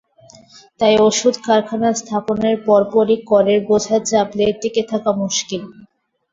তাই ওষুধ কারখানা স্থাপনের পরপরই করের বোঝা চাপলে টিকে থাকা মুশকিল।